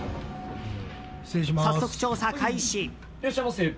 早速、調査開始！